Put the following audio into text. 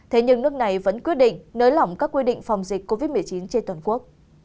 thế nhưng nước này vẫn quyết định nới lỏng các quy định phòng dịch covid một mươi chín trên toàn quốc